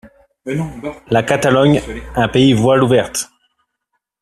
La Catalogne un pays voiles ouvertes.